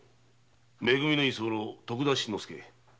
「め組」の居候徳田新之助。